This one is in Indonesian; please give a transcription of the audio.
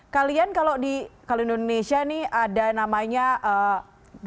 kalian kalau di indonesia kalian bisa mencoba untuk berbincang